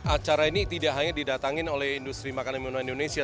acara ini tidak hanya didatangin oleh industri makanan minuman indonesia